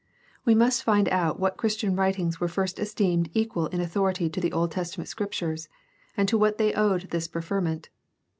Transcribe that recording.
We must find out what Christian writings were first esteemed equal in authority to the Old Testament Scriptures and to what they owed this preferment.